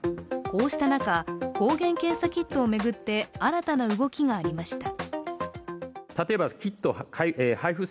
こうした中、抗原検査キットを巡って新たな動きがありました。